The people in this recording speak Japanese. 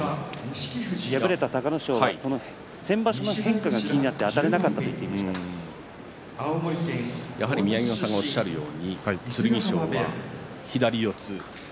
敗れた隆の勝は先場所の変化が気になってあたれなかったと宮城野さんがおっしゃるように剣翔が左四つ。